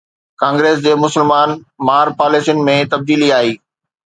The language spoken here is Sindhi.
ڪانگريس جي مسلمان مار پاليسين ۾ تبديلي آئي